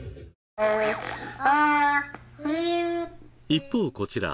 一方こちら